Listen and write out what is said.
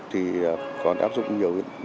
thì còn áp dụng nhiều